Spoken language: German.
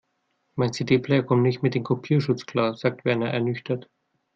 Mein CD-Player kommt nicht mit dem Kopierschutz klar, sagt Werner ernüchtert.